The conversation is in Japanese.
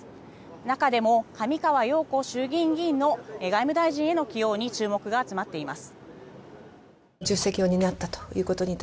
中でも上川陽子衆議院議員の外務大臣への起用に注目が集まっています。